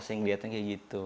saya melihatnya kayak gitu